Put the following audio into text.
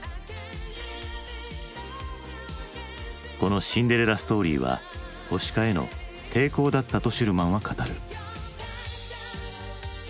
このシンデレラストーリーは保守化への抵抗だったとシュルマンは語る。